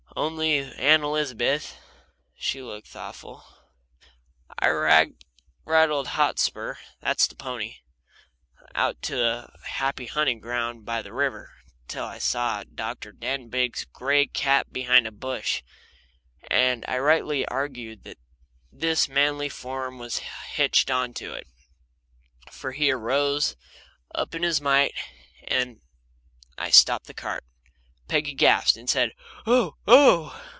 Only Aunt Elizabeth she looked thoughtful. I rattled Hotspur that's the pony out to the happy hunting ground by the river, till I saw Dr. Denbigh's gray cap behind a bush, and I rightly argued that his manly form was hitched onto it, for he arose up in his might as I stopped the cart. Peggy gasped and said, "Oh oh!